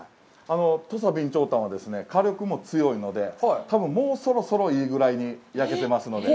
土佐備長炭は火力も強いので、多分もうそろそろいいぐらいに焼けてますので。